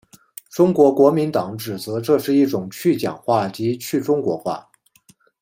中国国民党指责这是一种去蒋化及去中国化。